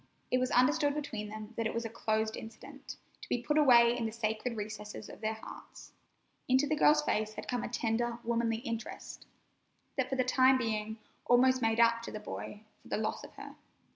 It was understood between them that it was a closed incident, to be put away in the sacred recesses of their hearts. Into the girl's face had come a tender, womanly interest that for the time being almost made up to the boy for the loss of her.